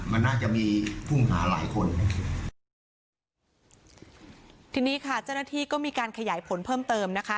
มันน่าจะมีผู้หาหลายคนนะครับทีนี้ค่ะเจ้าหน้าที่ก็มีการขยายผลเพิ่มเติมนะคะ